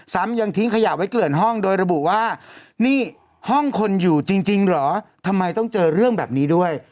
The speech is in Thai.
ซ้ำยังทิ้งขยะไว้เกลื่อนห้องโดยระบุว่านี่ห้องคนอยู่จริงเหรอทำไมต้องเจอเรื่องแบบนี้ด้วย